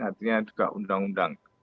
artinya juga undang undang